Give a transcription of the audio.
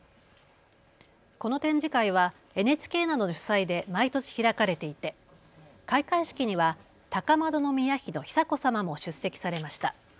この展示会はＮＨＫなどの主催で毎年開かれていて開会式には高円宮妃の久子さまも出席されました。